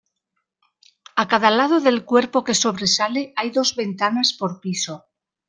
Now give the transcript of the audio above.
A cada lado del cuerpo que sobresale, hay dos ventanas por piso.